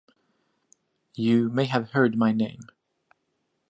You may have heard my name.